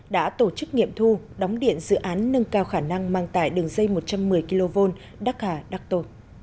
đã tổ chức nghiệm thu đóng điện dự án nâng cao khả năng mang tải đường dây một trăm một mươi kv đắc hà đắc tô